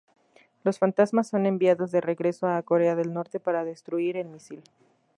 Los fantasmas son enviados de regreso a Corea del Norte para destruir el misil.